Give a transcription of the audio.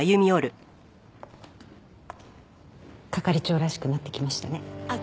係長らしくなってきましたね。